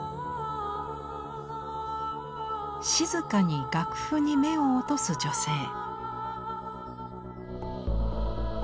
静かに楽譜に目を落とす女性。